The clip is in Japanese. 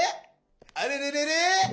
あれれれれ？